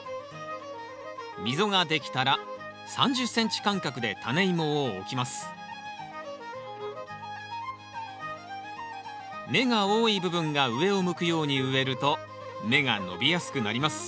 溝が出来たら３０ｃｍ間隔でタネイモを置きます芽が多い部分が上を向くように植えると芽が伸びやすくなります